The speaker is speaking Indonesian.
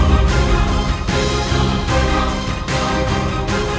kita selesaikan sekarang